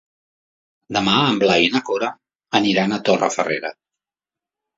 Demà en Blai i na Cora iran a Torrefarrera.